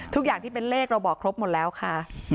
ทุกอย่างที่เป็นเลขเราบอกครบหมดแล้วค่ะ